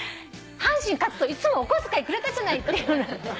「阪神勝つといっつもお小遣いくれたじゃない」って言うの。